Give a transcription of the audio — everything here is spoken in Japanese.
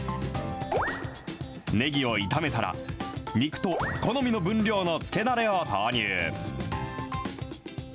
ねぎを炒めたら、肉と好みの分量の漬けだれを投入。